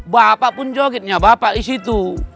bapak pun jogetnya bapak disitu